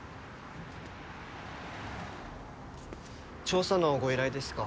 調査のご依頼ですか？